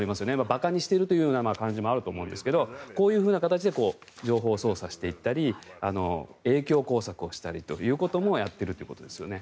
馬鹿にしているという感じもあると思うんですけどこういう形で情報操作していったり影響工作したりということもやっているということですね。